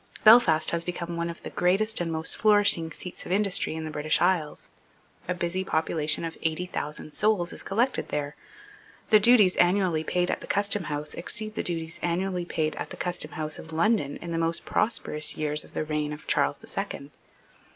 Belfast has become one of the greatest and most flourishing seats of industry in the British isles. A busy population of eighty thousand souls is collected there. The duties annually paid at the Custom House exceed the duties annually paid at the Custom House of London in the most prosperous years of the reign of Charles the Second.